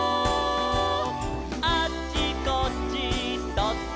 「あっちこっちそっち」